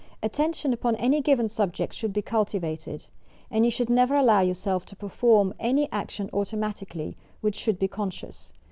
Attention upon any given subject should be cultivated, and you should never allow your self to perform any action automatically which should ■be conscious.